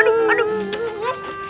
aduh aduh aduh